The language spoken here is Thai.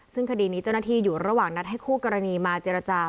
ซึ่งคดีนี้เจ้าหน้าที่อยู่ระหว่างนัดให้คู่กรณีมาเจรจา